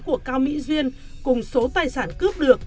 của cao mỹ duyên cùng số tài sản cướp được